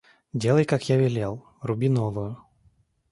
Делай, как я велел, — руби новую.